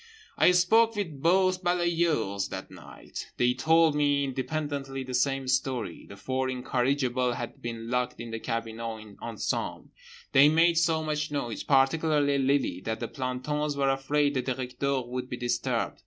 I spoke with both balayeurs that night. They told me, independently, the same story: the four incorrigibles had been locked in the cabinot ensemble. They made so much noise, particularly Lily, that the plantons were afraid the Directeur would be disturbed.